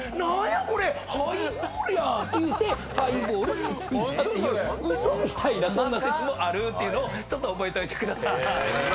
ハイボールやん！っていうてハイボールって付いたっていう嘘みたいなそんな説もあるのをちょっと覚えといてください。